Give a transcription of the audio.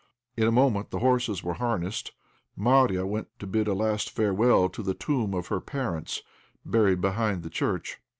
In a moment the horses were harnessed. Marya went to bid a last farewell to the tomb of her parents, buried behind the church.